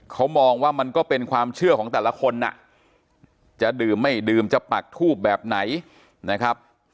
เขามองว่ามันก็เป็นความเชื่อของแต่ละคนจะดื่มไม่ดื่มจะปักทูบแบบไหนนะครับ